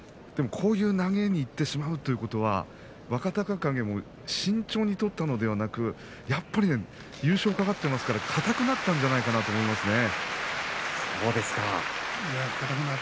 こういう投げにいってしまうということは若隆景、慎重に取ったのではなくやはり優勝が懸かっていますから硬くなったんじゃないかなと思います。